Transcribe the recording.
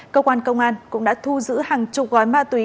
cơ quan công an cũng đã thu giữ hàng chục gói ma túy